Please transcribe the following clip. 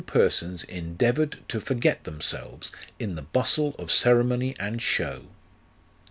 73 persons endeavoured to forget themselves in the bustle of ceremony and shew.